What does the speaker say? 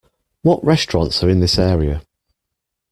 What restaurants are in this area?